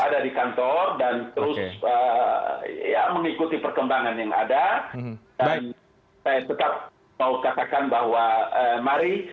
ada di kantor dan terus ya mengikuti perkembangan yang ada dan saya tetap mau katakan bahwa mari